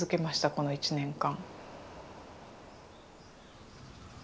この１年間。